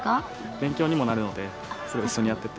勉強にもなるので一緒にやってて。